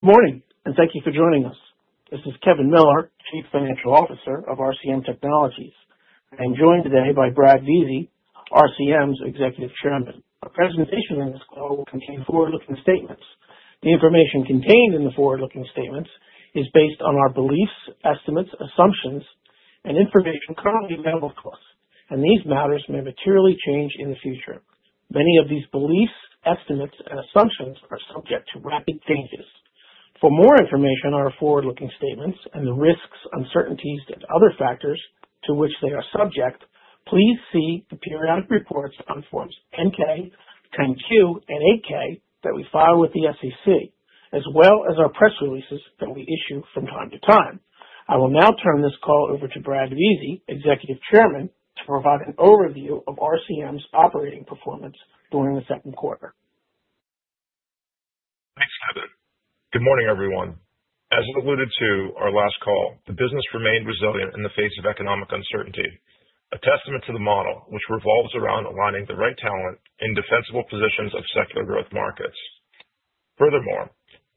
Morning and thank you for joining us. This is Kevin Miller, Chief Financial Officer of RCM Technologies. I am joined today by Brad Vizi, RCM's Executive Chairman. Our presentation in this call will contain forward-looking statements. The information contained in the forward-looking statements is based on our beliefs, estimates, assumptions, and information currently available to us. These matters may materially change in the future. Many of these beliefs, estimates, and assumptions are subject to rapid changes. For more information on our forward-looking statements and the risks, uncertainties, and other factors to which they are subject, please see the periodic reports on Forms 10K, 10Q, and 8K that we file with the SEC, as well as our press releases that we issue from time to time. I will now turn this call over to Brad Vizi, Executive Chairman, to provide an overview of RCM's operating performance during the second quarter. Thanks, Kevin. Good morning, everyone. As alluded to our last call, the business remained resilient in the face of economic uncertainty, a testament to the model which revolves around aligning the right talent in defensible positions of secular growth markets. Furthermore,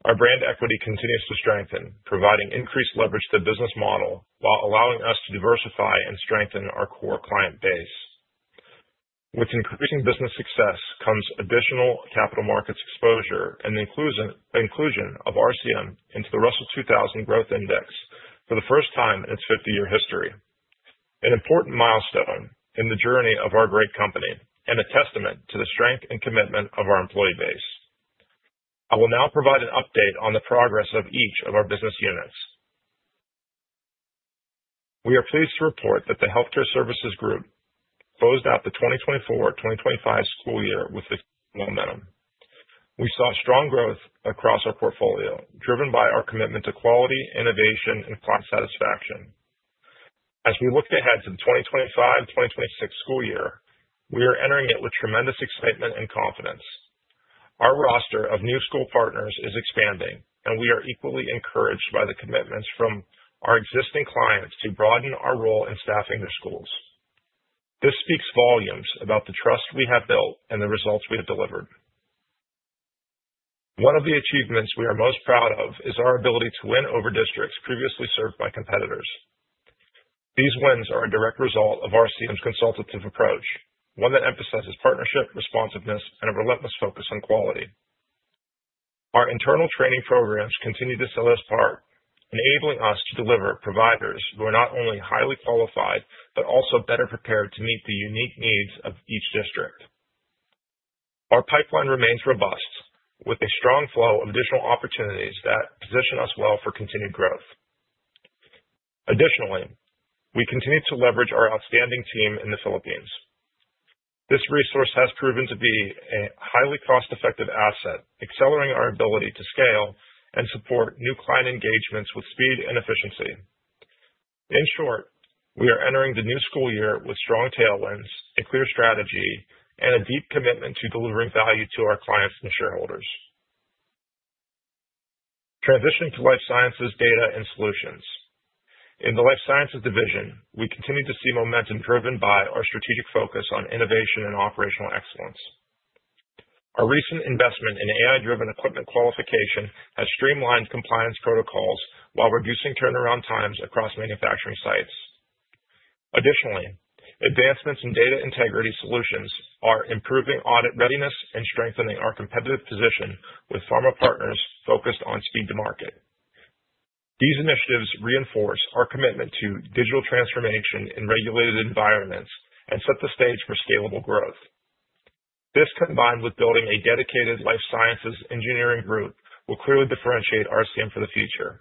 our brand equity continues to strengthen, providing increased leverage to the business model while allowing us to diversify and strengthen our core client base. With increasing business success comes additional capital markets exposure and the inclusion of RCM into the Russell 2000 Growth Index for the first time in its 50-year history, an important milestone in the journey of our great company and a testament to the strength and commitment of our employee base. I will now provide an update on the progress of each of our business units. We are pleased to report that the Healthcare Services Group closed out the 2024-2025 school year with this momentum. We saw strong growth across our portfolio, driven by our commitment to quality, innovation, and client satisfaction. As we look ahead to the 2025-2026 school year, we are entering it with tremendous excitement and confidence. Our roster of new school partners is expanding, and we are equally encouraged by the commitments from our existing clients to broaden our role in staffing their schools. This speaks volumes about the trust we have built and the results we have delivered. One of the achievements we are most proud of is our ability to win over districts previously served by competitors. These wins are a direct result of RCM's consultative approach, one that emphasizes partnership, responsiveness, and a relentless focus on quality. Our internal training programs continue to set us apart, enabling us to deliver providers who are not only highly qualified but also better prepared to meet the unique needs of each district. Our pipeline remains robust, with a strong flow of additional opportunities that position us well for continued growth. Additionally, we continue to leverage our outstanding team in the Philippines. This resource has proven to be a highly cost-effective asset, accelerating our ability to scale and support new client engagements with speed and efficiency. In short, we are entering the new school year with strong tailwinds, a clear strategy, and a deep commitment to delivering value to our clients and shareholders. Transitioning to Life Sciences Data and Solutions. In the Life Sciences Division, we continue to see momentum driven by our strategic focus on innovation and operational excellence. Our recent investment in AI-driven equipment qualification has streamlined compliance protocols while reducing turnaround times across manufacturing sites. Additionally, advancements in data integrity solutions are improving audit readiness and strengthening our competitive position with pharma partners focused on speed to market. These initiatives reinforce our commitment to digital transformation in regulated environments and set the stage for scalable growth. This, combined with building a dedicated Life Sciences Engineering Group, will clearly differentiate RCM Technologies for the future.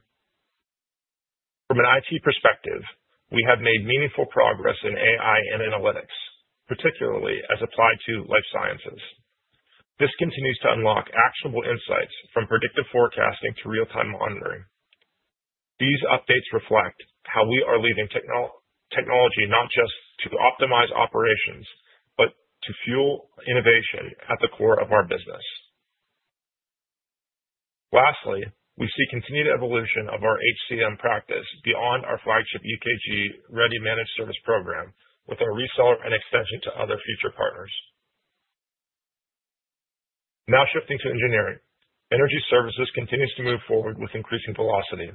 From an IT perspective, we have made meaningful progress in AI and analytics, particularly as applied to Life Sciences. This continues to unlock actionable insights from predictive forecasting to real-time monitoring. These updates reflect how we are leading technology, not just to optimize operations but to fuel innovation at the core of our business. Lastly, we see continued evolution of our HCM practice beyond our flagship UKG Ready managed service program with our reseller and extension to other future partners. Now shifting to engineering, Energy Services continues to move forward with increasing velocity.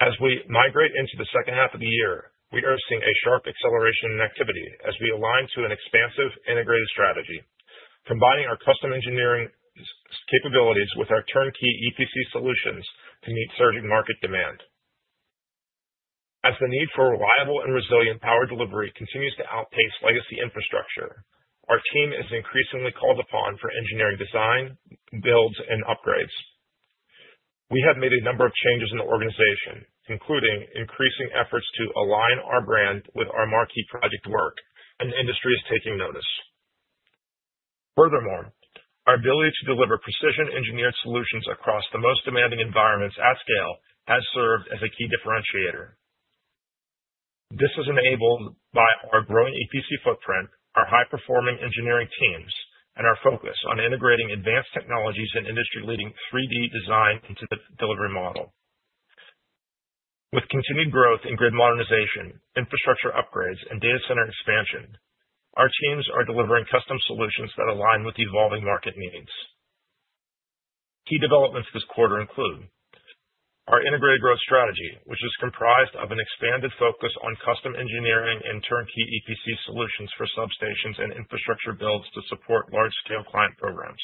As we migrate into the second half of the year, we are seeing a sharp acceleration in activity as we align to an expansive integrated strategy, combining our custom engineering capabilities with our turnkey EPC solutions to meet surging market demand. As the need for reliable and resilient power delivery continues to outpace legacy infrastructure, our team is increasingly called upon for engineering design, builds, and upgrades. We have made a number of changes in the organization, including increasing efforts to align our brand with our marquee project work, and the industry is taking notice. Furthermore, our ability to deliver precision engineered solutions across the most demanding environments at scale has served as a key differentiator. This is enabled by our growing EPC footprint, our high-performing engineering teams, and our focus on integrating advanced technologies and industry-leading 3D design into the delivery model. With continued growth in grid modernization, infrastructure upgrades, and data center expansion, our teams are delivering custom solutions that align with evolving market needs. Key developments this quarter include our integrated growth strategy, which is comprised of an expanded focus on custom engineering and turnkey EPC solutions for substations and infrastructure builds to support large-scale client programs,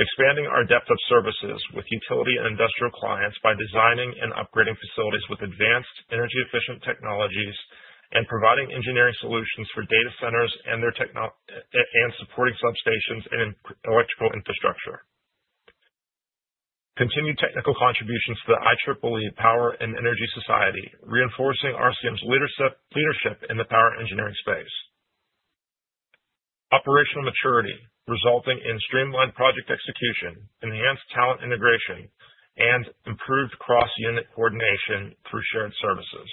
expanding our depth of services with utility and industrial clients by designing and upgrading facilities with advanced energy-efficient technologies, and providing engineering solutions for data centers and their technology and supporting substations and electrical infrastructure. Continued technical contributions to the IEEE Power & Energy Society, reinforcing RCM's leadership in the power engineering space. Operational maturity, resulting in streamlined project execution, enhanced talent integration, and improved cross-unit coordination through shared services.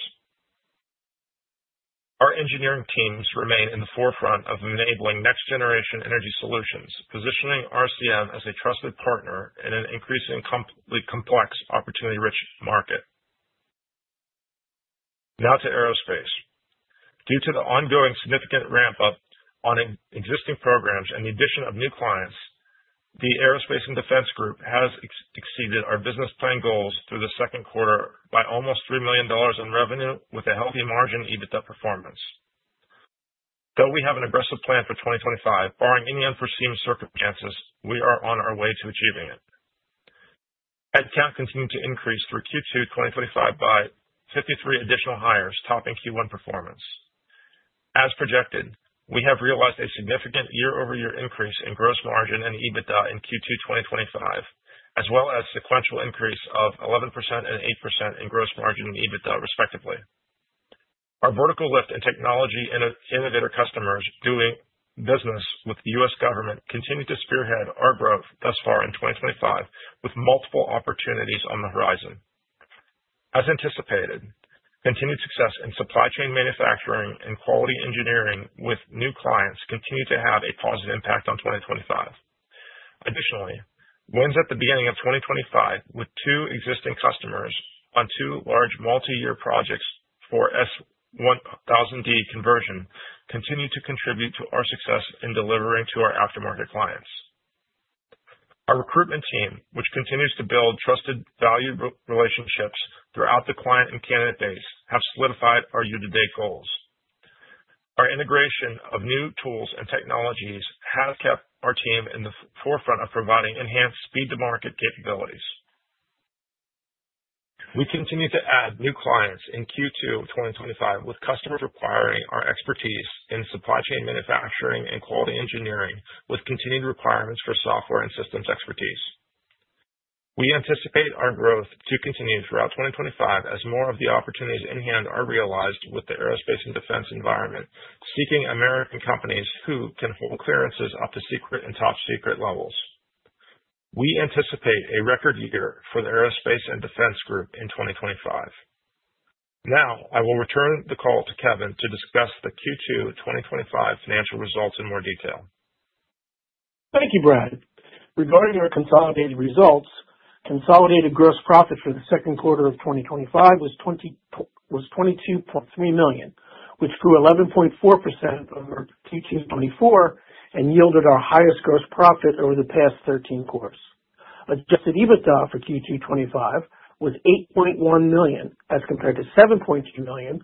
Our engineering teams remain in the forefront of enabling next-generation energy solutions, positioning RCM as a trusted partner in an increasingly complex, opportunity-rich market. Now to Aerospace. Due to the ongoing significant ramp-up on existing programs and the addition of new clients, the Aerospace and Defense Group has exceeded our business plan goals through the second quarter by almost $3 million in revenue with a healthy margin EBITDA performance. Though we have an aggressive plan for 2025, barring any unforeseen circumstances, we are on our way to achieving it. Headcount continued to increase through Q2 2025 by 53 additional hires, topping Q1 performance. As projected, we have realized a significant year-over-year increase in gross margin and EBITDA in Q2 2025, as well as a sequential increase of 11% and 8% in gross margin and EBITDA, respectively. Our vertical lift in technology and innovator customers doing business with the U.S. government continue to spearhead our growth thus far in 2025, with multiple opportunities on the horizon. As anticipated, continued success in supply chain manufacturing and quality engineering with new clients continue to have a positive impact on 2025. Additionally, wins at the beginning of 2025 with two existing customers on two large multi-year projects for S1000D conversion continue to contribute to our success in delivering to our aftermarket clients. Our recruitment team, which continues to build trusted value relationships throughout the client and candidate base, has solidified our year-to-date goals. Our integration of new tools and technologies has kept our team in the forefront of providing enhanced speed-to-market capabilities. We continue to add new clients in Q2 2025, with customers requiring our expertise in supply chain manufacturing and quality engineering, with continued requirements for software and systems expertise. We anticipate our growth to continue throughout 2025 as more of the opportunities in hand are realized with the Aerospace and Defense environment, seeking American companies who can hold clearances up to secret and top secret levels. We anticipate a record year for the Aerospace and Defense Group in 2025. Now, I will return the call to Kevin to discuss the Q2 2025 financial results in more detail. Thank you, Brad. Regarding our consolidated results, consolidated gross profit for the second quarter of 2025 was $22.3 million, which grew 11.4% over Q2 2024 and yielded our highest gross profit over the past 13 quarters. Adjusted EBITDA for Q2 2025 was $8.1 million as compared to $7.2 million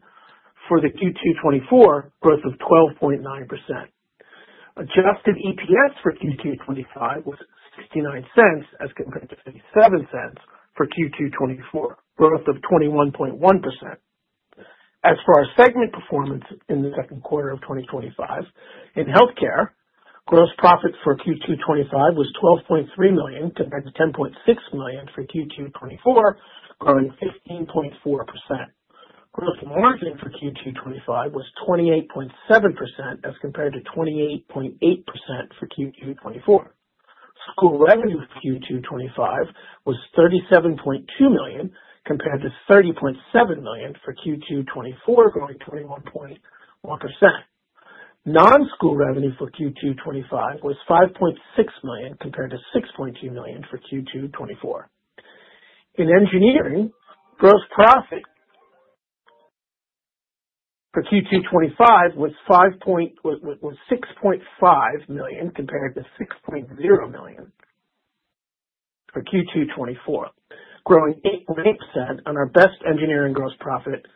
for Q2 2024, growth of 12.9%. Adjusted EPS for Q2 2025 was $0.69 as compared to $0.57 for Q2 2024, growth of 21.1%. As for our segment performance in the second quarter of 2025, in healthcare, gross profit for Q2 2025 was $12.3 million compared to $10.6 million for Q2 2024, growing 15.4%. Gross margin for Q2 2025 was 28.7% as compared to 28.8% for Q2 2024. School revenue for Q2 2025 was $37.2 million compared to $30.7 million for Q2 2024, growing 21.1%. Non-school revenue for Q2 2025 was $5.6 million compared to $6.2 million for Q2 2024. In engineering, gross profit for Q2 2025 was $6.5 million compared to $6.0 million for Q2 2024, growing 8% on our best engineering gross profit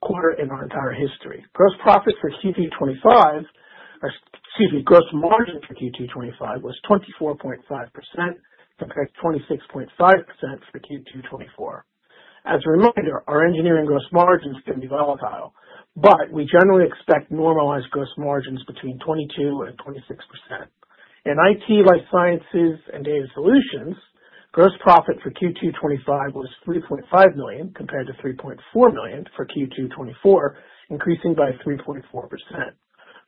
quarter in our entire history. Gross margin for Q2 2025 was 24.5% compared to 26.5% for Q2 2024. As a reminder, our engineering gross margins can be volatile, but we generally expect normalized gross margins between 22% and 26%. In IT, Life Sciences, and Data Solutions, gross profit for Q2 2025 was $3.5 million compared to $3.4 million for Q2 2024, increasing by 3.4%.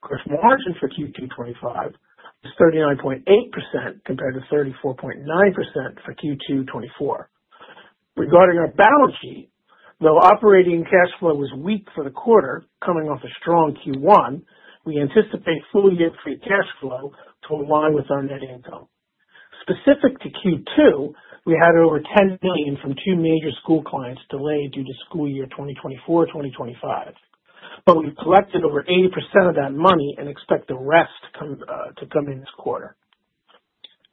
Gross margin for Q2 2025 was 39.8% compared to 34.9% for Q2 2024. Regarding our balance sheet, though operating cash flow was weak for the quarter coming off a strong Q1, we anticipate full year free cash flow to align with our net income. Specific to Q2, we had over $10 million from two major school clients delayed due to school year 2024, 2025, but we've collected over 80% of that money and expect the rest to come in this quarter.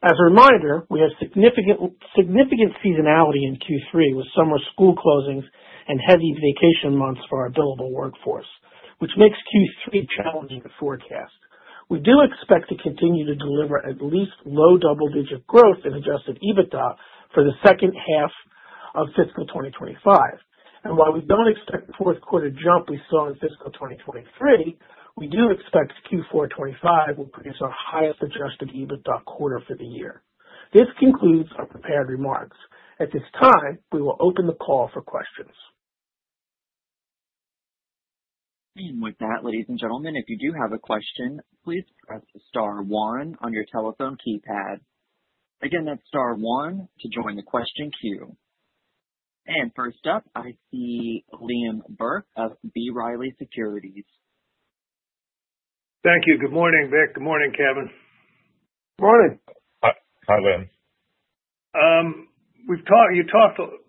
As a reminder, we have significant seasonality in Q3 with summer school closings and heavy vacation months for our billable workforce, which makes Q3 challenging to forecast. We do expect to continue to deliver at least low double-digit growth in adjusted EBITDA for the second half of fiscal 2025. While we don't expect a fourth quarter jump we saw in fiscal 2023, we do expect Q4 2025 will produce our highest adjusted EBITDA quarter for the year. This concludes our prepared remarks. At this time, we will open the call for questions. With that, ladies and gentlemen, if you do have a question, please press star one on your telephone keypad. Again, that's star one to join the question queue. First up, I see Liam Burke of B. Riley Securities. Thank you. Good morning, Brad. Good morning, Kevin. Good morning. Hi, Liam. We've talked, you talked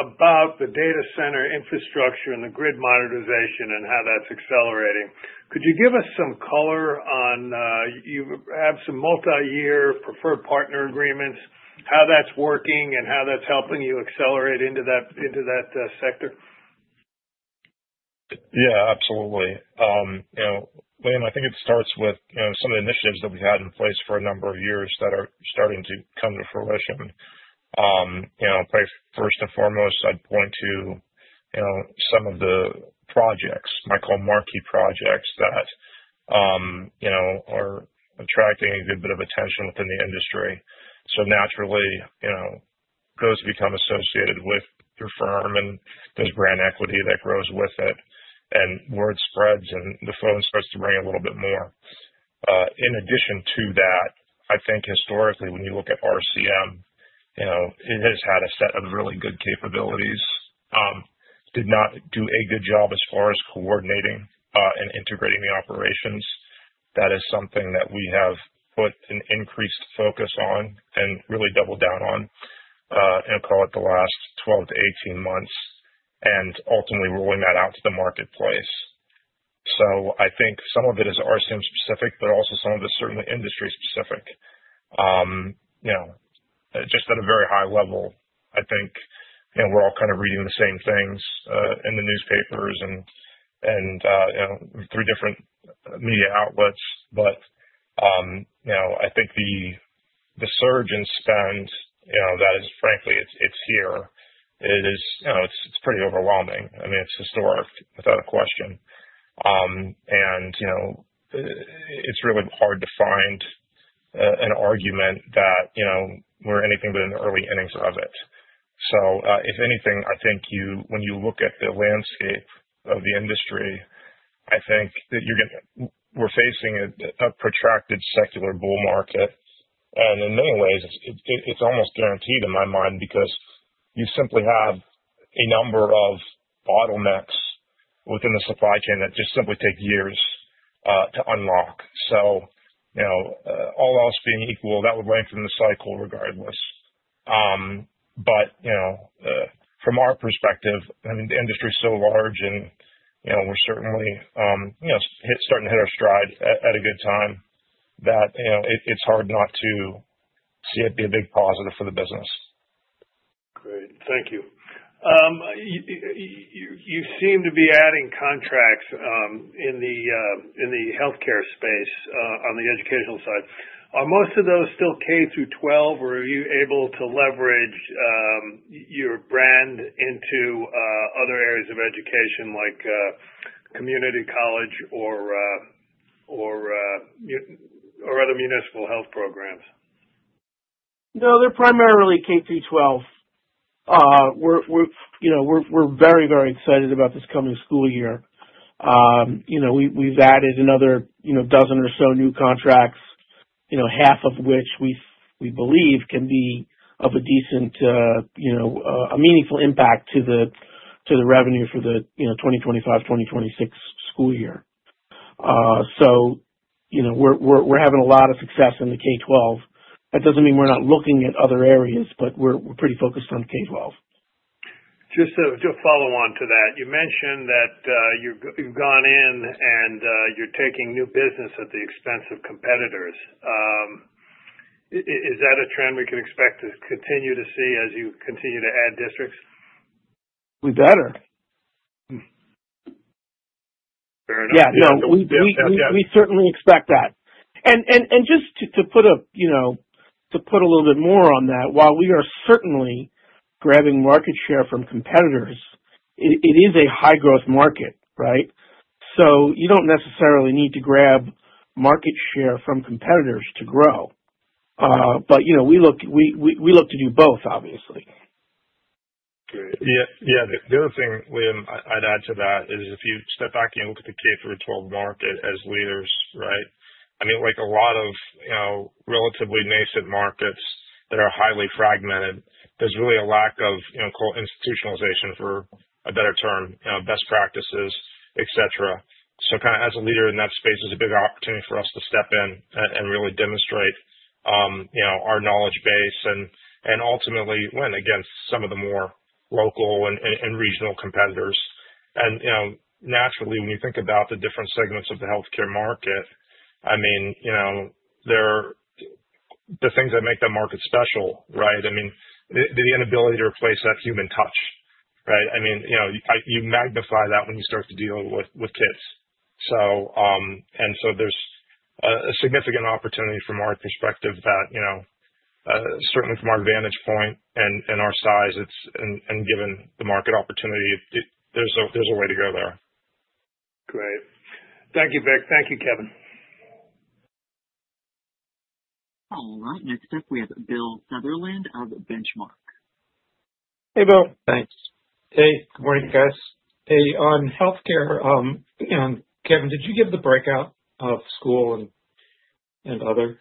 about the data center infrastructure and the grid modernization and how that's accelerating. Could you give us some color on, you have some multi-year preferred partner agreements, how that's working and how that's helping you accelerate into that sector? Yeah, absolutely. You know, Liam, I think it starts with some of the initiatives that we've had in place for a number of years that are starting to come to fruition. First and foremost, I'd point to some of the projects, I might call marquee projects, that are attracting a good bit of attention within the industry. Naturally, those become associated with your firm and there's brand equity that grows with it and word spreads and the phone starts to ring a little bit more. In addition to that, I think historically, when you look at RCM, it has had a set of really good capabilities. It did not do a good job as far as coordinating and integrating the operations. That is something that we have put an increased focus on and really doubled down on, and I'll call it the last 12-18 months, and ultimately rolling that out to the marketplace. I think some of it is RCM-specific, but also some of it is certainly industry-specific. Just at a very high level, I think we're all kind of reading the same things in the newspapers and three different media outlets. I think the surge in spend that is, frankly, it's here. It is, it's pretty overwhelming. I mean, it's historic without a question. It's really hard to find an argument that we're anything but in the early innings of it. If anything, I think when you look at the landscape of the industry, I think that we're facing a protracted secular bull market. In many ways, it's almost guaranteed in my mind because you simply have a number of bottlenecks within the supply chain that just simply take years to unlock. All else being equal, that would lengthen the cycle regardless. From our perspective, the industry is so large and we're certainly starting to hit our stride at a good time that it's hard not to see it be a big positive for the business. Great. Thank you. You seem to be adding contracts in the healthcare space on the educational side. Are most of those still K-12, or are you able to leverage your brand into other areas of education like community college or other municipal health programs? No, they're primarily K-12. We're very, very excited about this coming school year. We've added another dozen or so new contracts, half of which we believe can be of a meaningful impact to the revenue for the 2025, 2026 school year. We're having a lot of success in the K-12. That doesn't mean we're not looking at other areas, but we're pretty focused on K-12. Just to follow on to that, you mentioned that you've gone in and you're taking new business at the expense of competitors. Is that a trend we can expect to continue to see as you continue to add districts? We better. Fair enough. Yeah, no, we certainly expect that. To put a little bit more on that, while we are certainly grabbing market share from competitors, it is a high-growth market, right? You don't necessarily need to grab market share from competitors to grow. We look to do both, obviously. Yeah, the other thing, Liam, I'd add to that is if you step back and look at the K-12 market as leaders, right? I mean, like a lot of, you know, relatively nascent markets that are highly fragmented, there's really a lack of, you know, institutionalization for a better term, best practices, etc. Kind of as a leader in that space, it's a big opportunity for us to step in and really demonstrate our knowledge base and ultimately win against some of the more local and regional competitors. Naturally, when you think about the different segments of the healthcare market, there are the things that make that market special, right? The inability to replace that human touch, right? You magnify that when you start to deal with kids. There's a significant opportunity from our perspective that, certainly from our vantage point and our size, and given the market opportunity, there's a way to go there. Great. Thank you, Brad. Thank you, Kevin. All right. Next up, we have Bill Sutherland of Benchmark. Hey, Bill. Thanks. Hey, good morning, guys. On healthcare, you know, Kevin, did you give the breakout of school and other?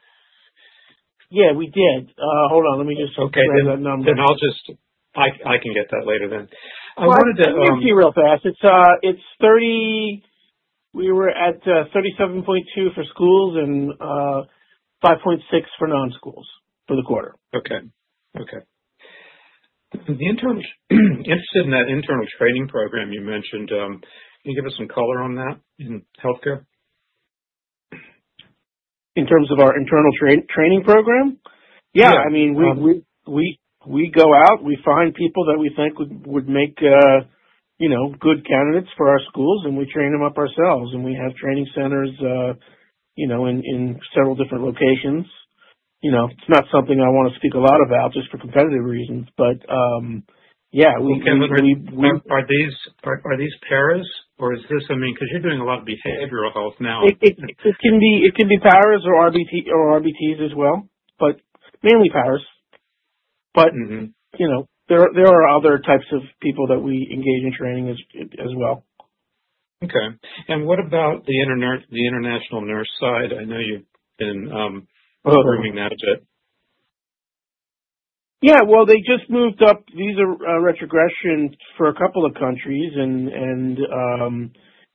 Yeah, we did. Hold on. Let me just. Okay, I'll just. I can get that later. Let me give it to you real fast. It's $37.2 million for schools and $5.6 million for non-schools for the quarter. Okay. Okay. I'm interested in that internal training program you mentioned. Can you give us some color on that in healthcare? In terms of our internal training program? Yeah. I mean, we go out, we find people that we think would make, you know, good candidates for our schools, and we train them up ourselves. We have training centers in several different locations. It's not something I want to speak a lot about just for competitive reasons, but, yeah, we can. Are these paras, or is this something because you're doing a lot of behavioral health now? It can be, it can be paras or RBTs as well, but mainly paras. You know, there are other types of people that we engage in training as well. Okay. What about the international nurse side? I know you've been improving that a bit. Yeah, they just moved up. These are retrogressions for a couple of countries.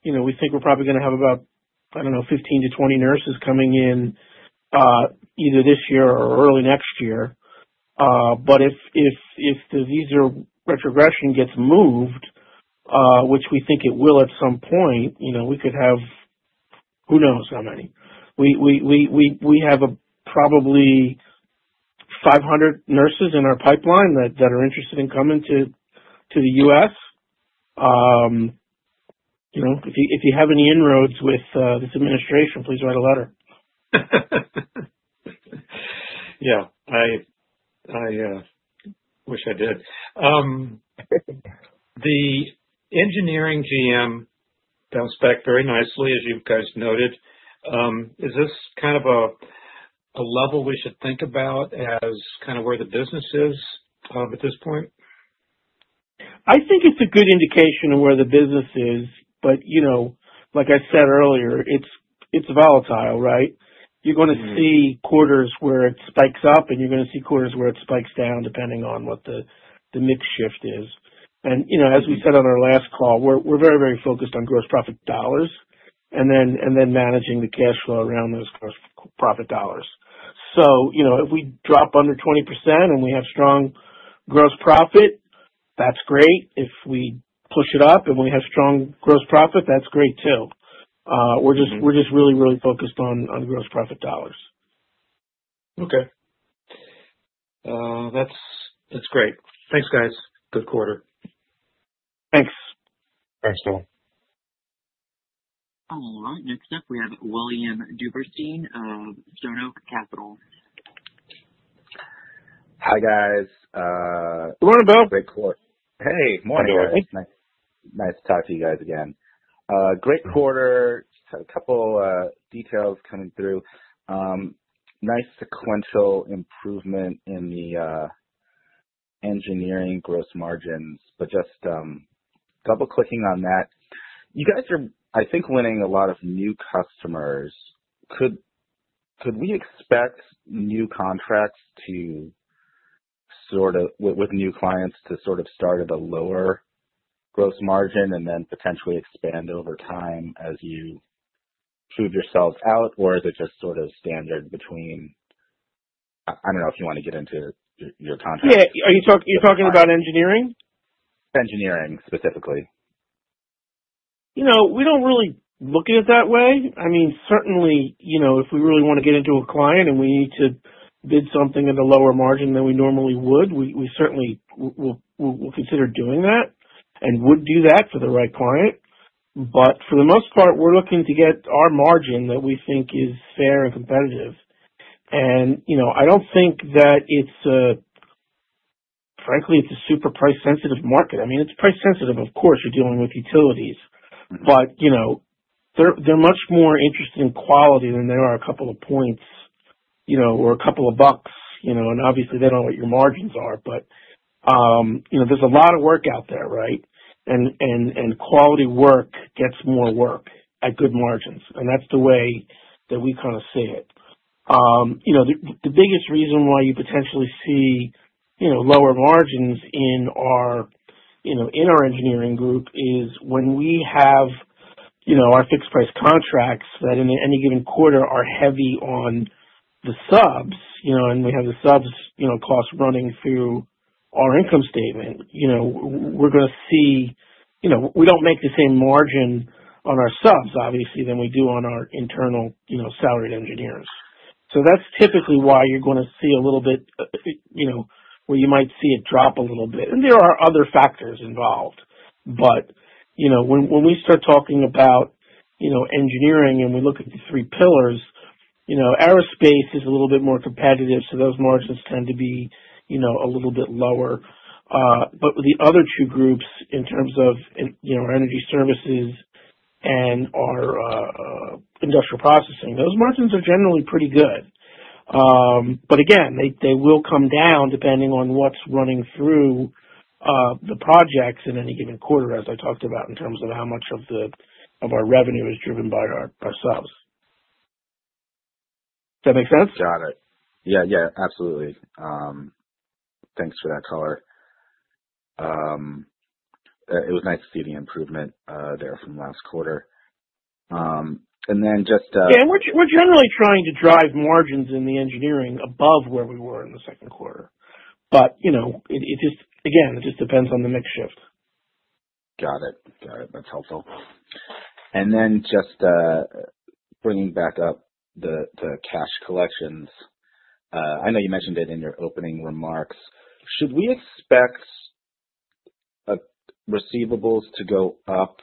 You know, we think we're probably going to have about, I don't know, 15-20 nurses coming in, either this year or early next year. If the visa retrogression gets moved, which we think it will at some point, we could have, who knows how many? We have probably 500 nurses in our pipeline that are interested in coming to the U.S. If you have any inroads with this administration, please write a letter. Yeah. I wish I did. The engineering business bounced back very nicely, as you guys noted. Is this kind of a level we should think about as kind of where the business is at this point? I think it's a good indication of where the business is. Like I said earlier, it's volatile, right? You're going to see quarters where it spikes up, and you're going to see quarters where it spikes down, depending on what the mid-shift is. As we said on our last call, we're very, very focused on gross profit dollars and then managing the cash flow around those gross profit dollars. If we drop under 20% and we have strong gross profit, that's great. If we push it up and we have strong gross profit, that's great too. We're just really, really focused on gross profit dollars. Okay, that's great. Thanks, guys. Good quarter. Thanks. Thanks, Bill. All right. Next up, we have William Duberstein of Stone Oak Capital. Hi, guys. Good morning, Bill. Great quarter. Hey, morning. Nice to talk to you guys again. Great quarter. A couple of details coming through. Nice sequential improvement in the engineering gross margins. Just double-clicking on that, you guys are, I think, winning a lot of new customers. Could we expect new contracts with new clients to sort of start at a lower gross margin and then potentially expand over time as you prove yourselves out, or is it just sort of standard between? I don't know if you want to get into your contract. Yeah. Are you talking? You're talking about engineering? Engineering specifically, you know. We don't really look at it that way. I mean, certainly, if we really want to get into a client and we need to bid something at a lower margin than we normally would, we certainly will consider doing that and would do that for the right client. For the most part, we're looking to get our margin that we think is fair and competitive. I don't think that it's a, frankly, it's a super price-sensitive market. I mean, it's price-sensitive, of course. You're dealing with utilities. They're much more interested in quality than they are a couple of points, or a couple of bucks. Obviously, they don't know what your margins are, but there's a lot of work out there, right? Quality work gets more work at good margins. That's the way that we kind of see it. The biggest reason why you potentially see lower margins in our Engineering Group is when we have our fixed-price contracts that in any given quarter are heavy on the subs, and we have the subs' costs running through our income statement. We're going to see, we don't make the same margin on our subs, obviously, than we do on our internal salaried engineers. That's typically why you're going to see a little bit, where you might see it drop a little bit. There are other factors involved. When we start talking about engineering and we look at the three pillars, aerospace is a little bit more competitive, so those margins tend to be a little bit lower. The other two groups in terms of our energy services and our industrial processing, those margins are generally pretty good. They will come down depending on what's running through the projects in any given quarter, as I talked about in terms of how much of our revenue is driven by our subs. Does that make sense? Got it. Yeah, absolutely. Thanks for that color. It was nice to see the improvement there from last quarter. And then just, Yeah, we're generally trying to drive margins in the engineering above where we were in the second quarter. You know, it just depends on the next shift. Got it. That's helpful. Just bringing back up the cash collections, I know you mentioned it in your opening remarks. Should we expect receivables to go up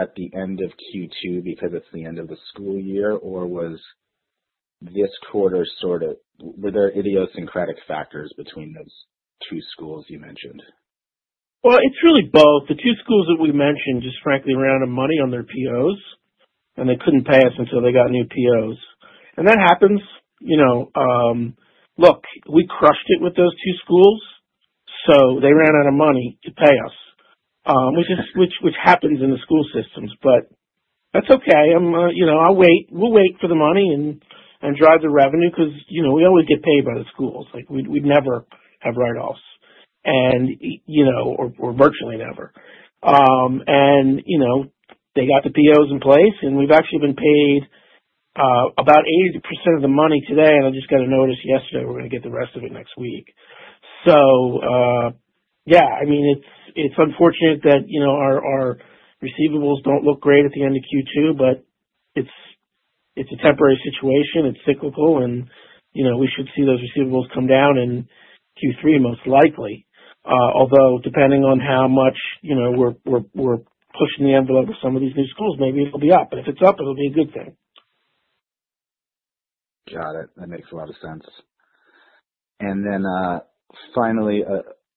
at the end of Q2 because it's the end of the school year, or was this quarter sort of, were there idiosyncratic factors between those two schools you mentioned? It's really both. The two schools that we mentioned just frankly ran out of money on their POs, and they couldn't pay us until they got new POs. That happens, you know. Look, we crushed it with those two schools, so they ran out of money to pay us, which happens in the school systems. That's okay. I'll wait. We'll wait for the money and drive the revenue because, you know, we always get paid by the schools. We'd never have write-offs, or virtually never. They got the POs in place, and we've actually been paid about 80% of the money today. I just got a notice yesterday we're going to get the rest of it next week. I mean, it's unfortunate that our receivables don't look great at the end of Q2, but it's a temporary situation. It's cyclical, and we should see those receivables come down in Q3 most likely, although depending on how much we're pushing the envelope of some of these new schools, maybe it'll be up. If it's up, it'll be a good thing. Got it. That makes a lot of sense.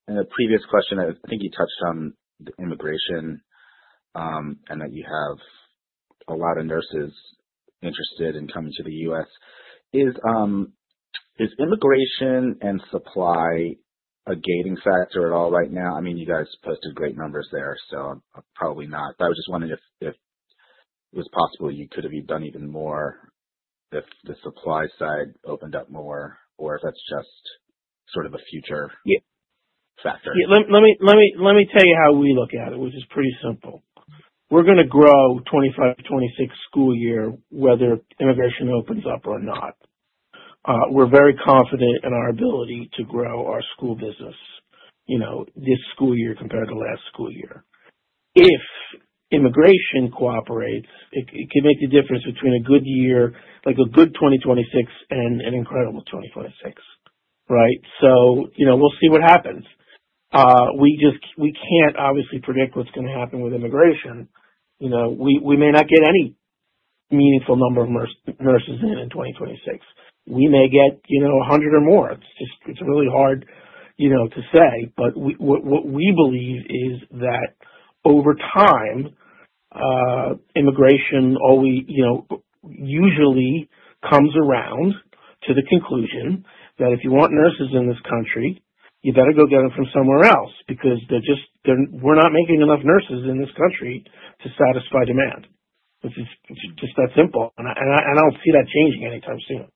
In a previous question, I think you touched on the immigration, and that you have a lot of nurses interested in coming to the U.S. Is immigration and supply a gating factor at all right now? I mean, you guys posted great numbers there, so probably not. I was just wondering if it was possible you could have done even more if the supply side opened up more, or if that's just sort of a future factor. Yeah. Let me tell you how we look at it, which is pretty simple. We're going to grow 2025, 2026 school year whether immigration opens up or not. We're very confident in our ability to grow our school business, you know, this school year compared to last school year. If immigration cooperates, it can make the difference between a good year, like a good 2026 and an incredible 2026, right? We'll see what happens. We just, we can't obviously predict what's going to happen with immigration. We may not get any meaningful number of nurses in 2026. We may get, you know, 100 or more. It's just, it's really hard, you know, to say. What we believe is that over time, immigration usually comes around to the conclusion that if you want nurses in this country, you better go get them from somewhere else because we're not making enough nurses in this country to satisfy demand. It's just that simple. I don't see that changing anytime soon.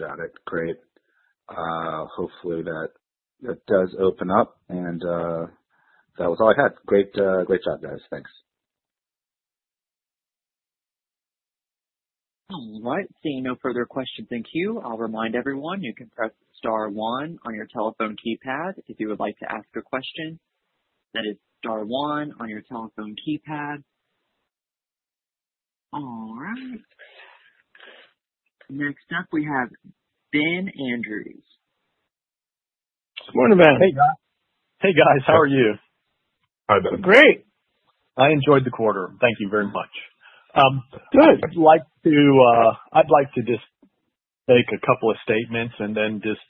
Got it. Great. Hopefully, that does open up. That was all I had. Great job, guys. Thanks. All right. Seeing no further questions, thank you. I'll remind everyone, you can press star one on your telephone keypad if you would like to ask a question. That is star one on your telephone keypad. All right. Next up, we have Ben Andrews. Morning, Ben. Hey, guys. How are you? Hi, Ben. Great. I enjoyed the quarter. Thank you very much. Good. I'd like to just take a couple of statements and then just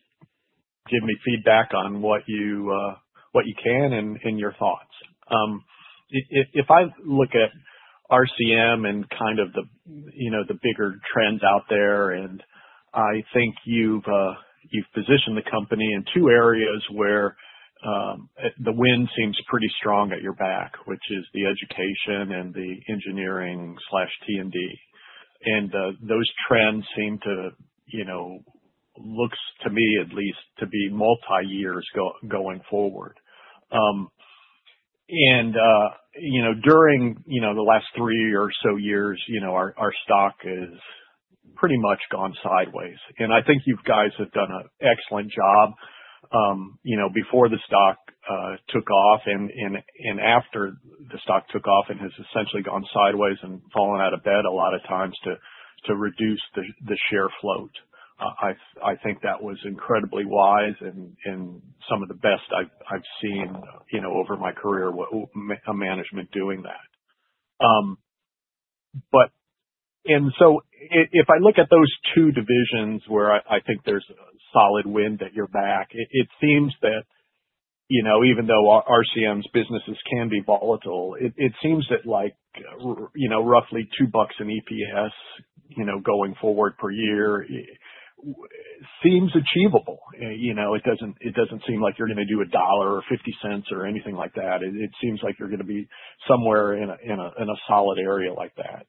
give me feedback on what you can and your thoughts. If I look at RCM and kind of the bigger trends out there, I think you've positioned the company in two areas where the wind seems pretty strong at your back, which is the education and the engineering/T&D. Those trends seem to look to me at least to be multi-years going forward. During the last three or so years, our stock has pretty much gone sideways. I think you guys have done an excellent job before the stock took off and after the stock took off and has essentially gone sideways and fallen out of bed a lot of times to reduce the share float. I think that was incredibly wise and some of the best I've seen over my career with management doing that. If I look at those two divisions where I think there's a solid wind at your back, it seems that even though RCM's businesses can be volatile, it seems that roughly $2 in EPS going forward per year seems achievable. It doesn't seem like you're going to do $1 or $0.50 or anything like that. It seems like you're going to be somewhere in a solid area like that.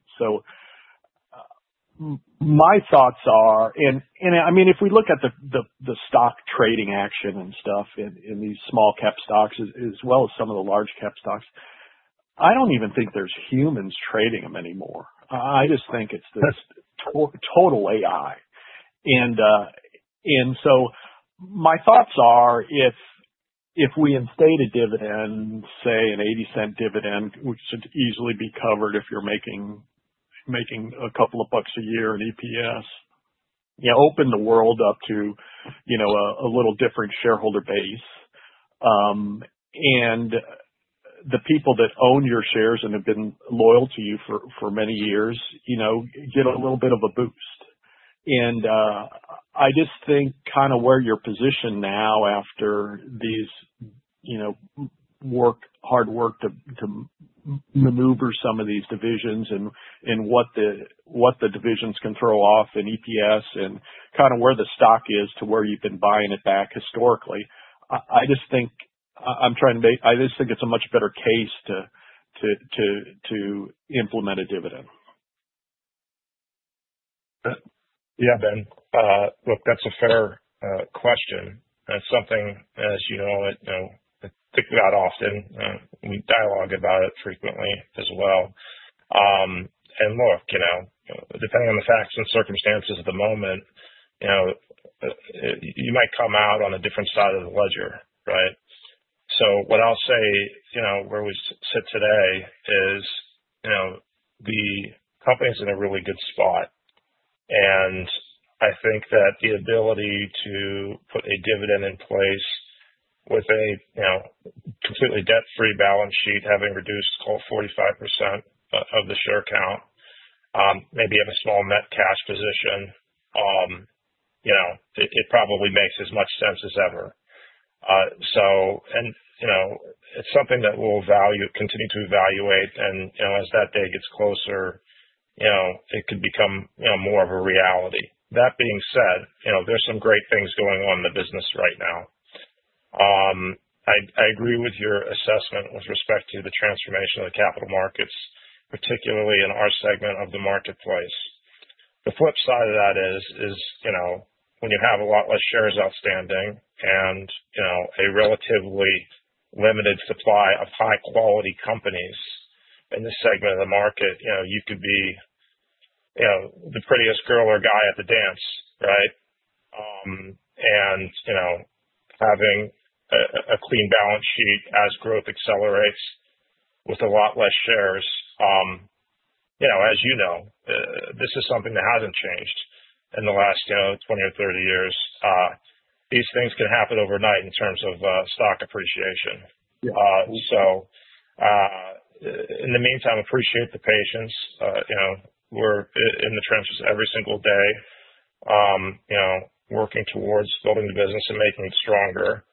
My thoughts are, if we look at the stock trading action and stuff in these small-cap stocks as well as some of the large-cap stocks, I don't even think there's humans trading them anymore. I just think it's this total AI. My thoughts are if we instated dividends, say an $0.80 dividend, which should easily be covered if you're making a couple of bucks a year in EPS, open the world up to a little different shareholder base. The people that own your shares and have been loyal to you for many years get a little bit of a boost. I just think kind of where you're positioned now after this hard work to maneuver some of these divisions and what the divisions can throw off in EPS and kind of where the stock is to where you've been buying it back historically, I just think it's a much better case to implement a dividend. Yeah, Ben. Look, that's a fair question. That's something, as you know, I think not often. We dialogue about it frequently as well. Look, depending on the facts and circumstances at the moment, you might come out on a different side of the ledger, right? What I'll say, where we sit today is, the company is in a really good spot. I think that the ability to put a dividend in place with a completely debt-free balance sheet, having reduced 45% of the share count, maybe have a small net cash position, it probably makes as much sense as ever. It's something that we'll continue to evaluate. As that day gets closer, it could become more of a reality. That being said, there are some great things going on in the business right now. I agree with your assessment with respect to the transformation of the capital markets, particularly in our segment of the marketplace. The flip side of that is, when you have a lot less shares outstanding and a relatively limited supply of high-quality companies in this segment of the market, you could be the prettiest girl or guy at the dance, right? Having a clean balance sheet as growth accelerates with a lot less shares, as you know, this is something that hasn't changed in the last 20 or 30 years. These things can happen overnight in terms of stock appreciation. In the meantime, I appreciate the patience. We're in the trenches every single day, working towards building the business and making it stronger.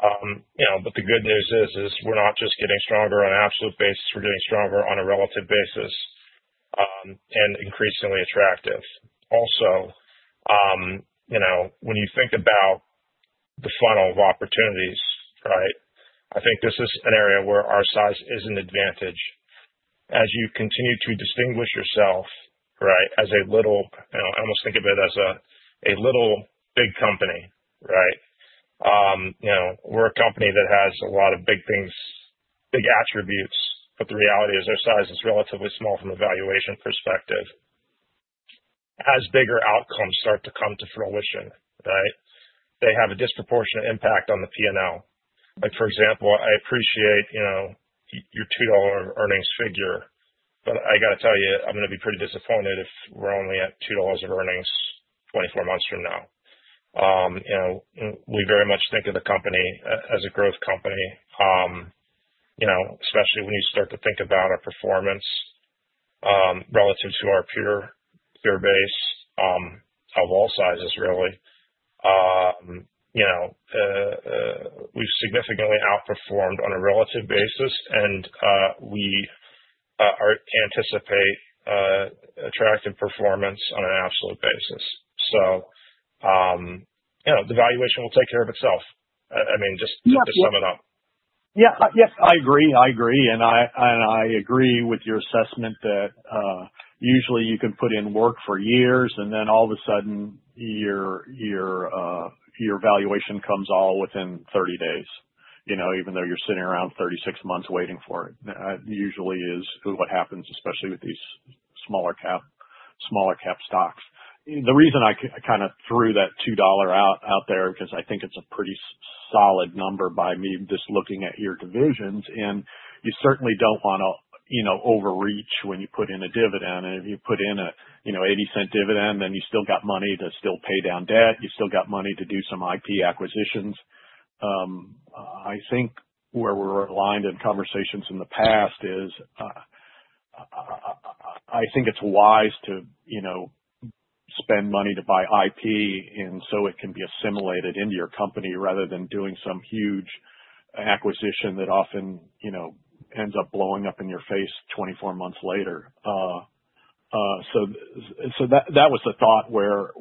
The good news is, we're not just getting stronger on an absolute basis. We're getting stronger on a relative basis, and increasingly attractive. Also, when you think about the funnel of opportunities, I think this is an area where our size is an advantage. As you continue to distinguish yourself, I almost think of it as a little big company, right? We're a company that has a lot of big things, big attributes, but the reality is our size is relatively small from a valuation perspective. As bigger outcomes start to come to fruition, they have a disproportionate impact on the P&L. For example, I appreciate, you know, your $2 earnings figure, but I got to tell you, I'm going to be pretty disappointed if we're only at $2 of earnings 24 months from now. We very much think of the company as a growth company, especially when you start to think about our performance relative to our peer base of all sizes, really. We've significantly outperformed on a relative basis, and we can anticipate attractive performance on an absolute basis. The valuation will take care of itself. I mean, just to sum it up. Yeah. Yes, I agree. I agree. I agree with your assessment that usually you can put in work for years, and then all of a sudden, your valuation comes all within 30 days, even though you're sitting around 36 months waiting for it. That usually is what happens, especially with these smaller cap stocks. The reason I kind of threw that $2 out there is because I think it's a pretty solid number by me just looking at your divisions. You certainly don't want to overreach when you put in a dividend. If you put in an $0.80 dividend, then you still got money to still pay down debt. You still got money to do some IP acquisitions. I think where we're aligned in conversations in the past is I think it's wise to spend money to buy IP so it can be assimilated into your company rather than doing some huge acquisition that often ends up blowing up in your face 24 months later. That was the thought where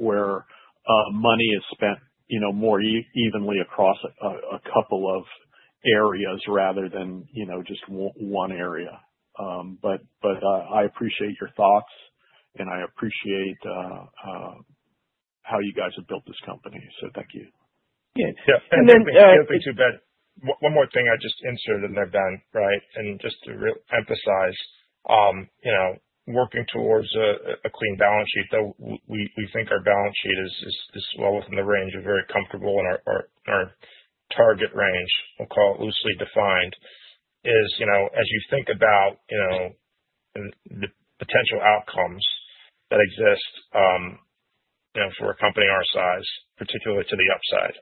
money is spent more evenly across a couple of areas rather than just one area. I appreciate your thoughts, and I appreciate how you guys have built this company. Thank you. Yeah. One more thing I just inserted in there, Ben, right? Just to really emphasize, working towards a clean balance sheet, though we think our balance sheet is well within the range of very comfortable and our target range, we'll call it loosely defined, is, as you think about the potential outcomes that exist for a company our size, particularly to the upside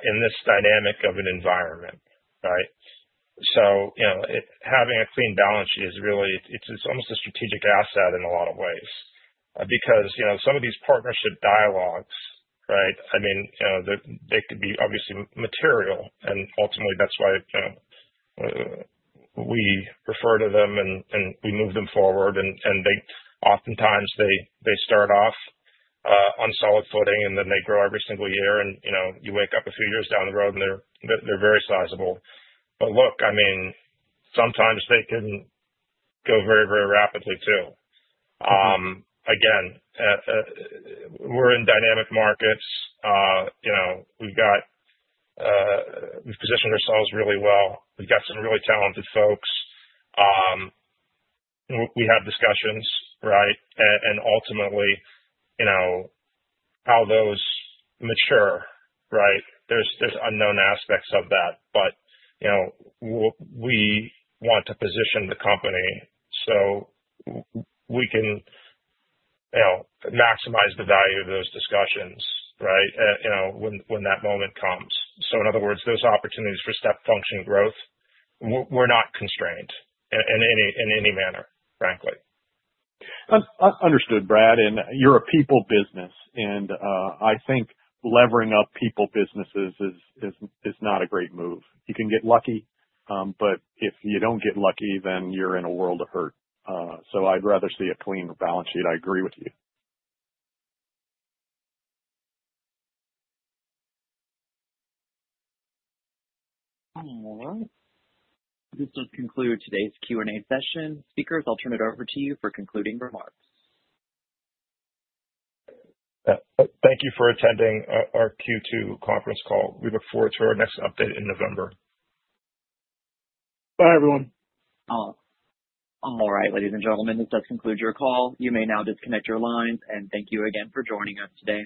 in this dynamic of an environment. Having a clean balance sheet is really, it's almost a strategic asset in a lot of ways, because some of these partnership dialogues, they could be obviously material, and ultimately, that's why we refer to them and we move them forward. They oftentimes start off on solid footing, and then they grow every single year. You wake up a few years down the road, and they're very sizable. Sometimes they can go very, very rapidly too. We're in dynamic markets. We've positioned ourselves really well. We've got some really talented folks. We have discussions, and ultimately, how those mature, there's unknown aspects of that. We want to position the company so we can maximize the value of those discussions when that moment comes. In other words, those opportunities for step function growth, we're not constrained in any manner, frankly. Understood, Brad. You're a people business. I think levering up people businesses is not a great move. You can get lucky, but if you don't get lucky, then you're in a world of hurt. I'd rather see a clean balance sheet. I agree with you. All right. This does conclude today's Q&A session. Speakers, I'll turn it over to you for concluding remarks. Thank you for attending our Q2 conference call. We look forward to our next update in November. Bye, everyone. All right, ladies and gentlemen, this does conclude your call. You may now disconnect your lines. Thank you again for joining us today.